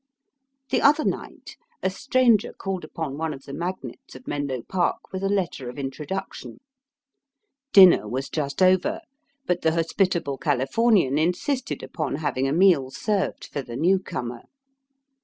The other night a stranger called upon one of the mag nates of Menlo Park with a letter of intro duction. Dinner was just over, but the hos pitable Calif ornian insisted upon having a meal served for the new comer.